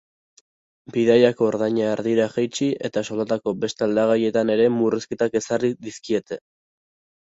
Bidaiako ordaina erdira jaitsi eta soldatako beste aldagaietan ere murrizketak ezarri dizkiete.